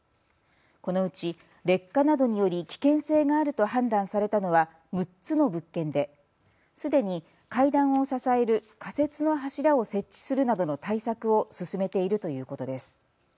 このうち劣化などにより危険性があると判断されたのは６つの物件ですでに階段を支える仮設の柱を設置するなどの対策を進めているということです。